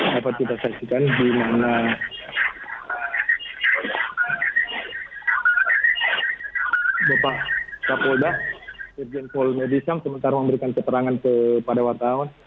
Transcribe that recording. dapat kita saksikan di mana bapak kapolda irjen pol medisam sementara memberikan keterangan kepada wartawan